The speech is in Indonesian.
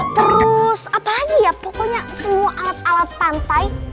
terus apalagi ya pokoknya semua alat alat pantai